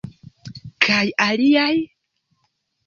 Kaj aliaj?